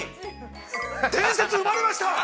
◆伝説生まれました。